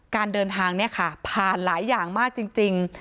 การเดินทางเนี่ยค่ะผ่านหลายอย่างมากจริง